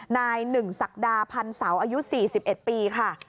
นายหนึ่งศักดาพันธ์เสาอายุ๔๑ปีค่ะ